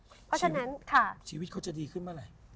เพราะฉะนั้นค่ะชีวิตเขาจะดีขึ้นมาไหน